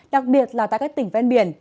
đặc biệt là tại các tỉnh ven biển